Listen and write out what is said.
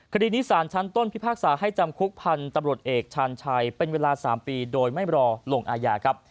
คดีนี้สารชั้นต้นพิพากษาให้จำคุกพันธุ์ตำรวจเอกชาญชัยเป็นเวลา๓ปีโดยไม่รอลงอาญาครับ